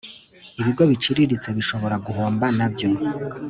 Ibigo biciriritse bishobora guhomba nabyo